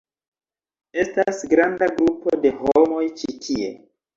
Estas granda grupo de homoj ĉi tie!